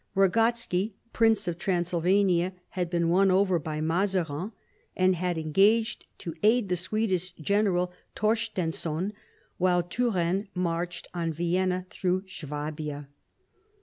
Eagotsky, Prince of Transylvania, had been won over by Mazarin, and had engaged to aid the Swedish general Torstenson, while Turenne marched on Vienna through Swabia.